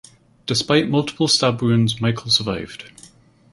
Despite multiple stab wounds Michael survived.